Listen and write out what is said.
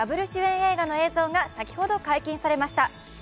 Ｗ主演の映画映像が先ほど解禁されました。